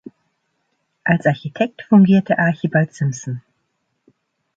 Als Architekt fungierte Archibald Simpson.